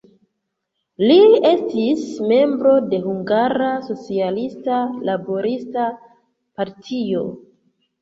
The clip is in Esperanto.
Li estis membro de Hungara Socialista Laborista Partio.